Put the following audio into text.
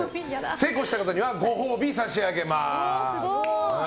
正解した方にはご褒美を差し上げます。